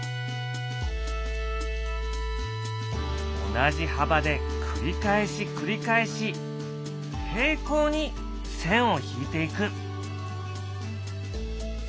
同じ幅で繰り返し繰り返し平行に線を引いていく。